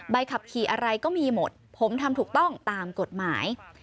ใบขับขี่อะไรก็มีหมดผมทำถูกต้องตามกฎหมาย